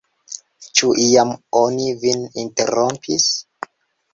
Ĉu iam oni vin interrompis?